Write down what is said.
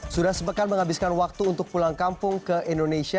sudah sepekan menghabiskan waktu untuk pulang kampung ke indonesia